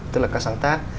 tức là các sáng tác